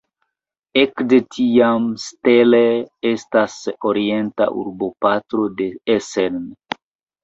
Ekde tiam Steele estas orienta urboparto de Essen.